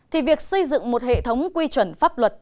thì việc xây dựng một hệ thống quy chuẩn pháp luật